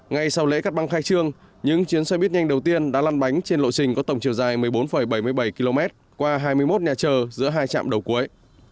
ngay sau lễ cắt băng khai trương những chuyến xe buýt nhanh đầu tiên đã lăn bánh trên lộ trình có tổng chiều dài một mươi bốn bảy mươi bảy km qua hai mươi một nhà chờ giữa hai trạm đầu cuối